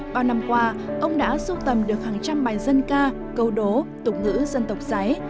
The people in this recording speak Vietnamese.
bao năm qua ông đã sưu tầm được hàng trăm bài dân ca câu đố tục ngữ dân tộc giấy